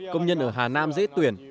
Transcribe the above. công nhân ở hà nam dễ tuyển